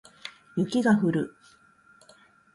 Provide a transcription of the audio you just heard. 雪が降る